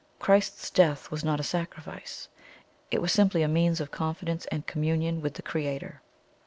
Christ's death was not a sacrifice; it was simply a means of confidence and communion with the Creator.